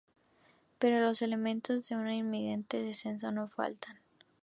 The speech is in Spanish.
Pero los elementos de un inminente descenso no faltan.